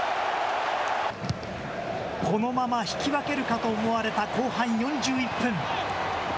このまま引き分けるかと思われた後半４１分。